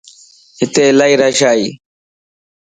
ھتي الائي رش ائي